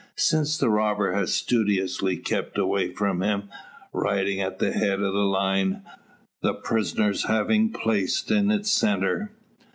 Since, the robber has studiously kept away from him, riding at the head of the line, the prisoners having place in its centre.